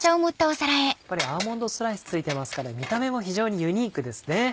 やっぱりアーモンドスライス付いてますから見た目も非常にユニークですね。